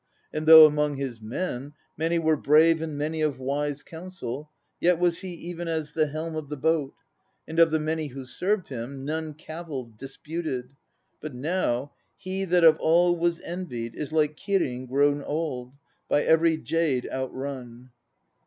And though among his men Many were brave and many of wise counsel, Yet was he even as the helm of the boat. And of the many who served him None cavilled, disputed. But now He that of all was envied Is like Kirin x grown old, By every jade outrun.